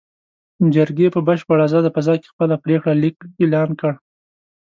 جرګې په بشپړه ازاده فضا کې خپل پرېکړه لیک اعلان کړ.